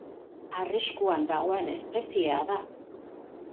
Arriskuan dagoen espeziea da.